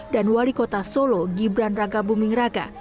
dan wali kota solo gibran raka buming raka